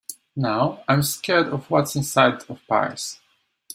Now, I’m scared of what is inside of pies.